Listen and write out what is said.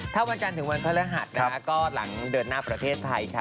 ถ้าวันจันทร์ถึงวันพระฤหัสนะคะก็หลังเดินหน้าประเทศไทยค่ะ